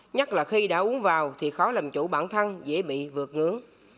nhất là khi đã uống vào thì khó làm chủ bản thân dễ bị vượt ngưỡng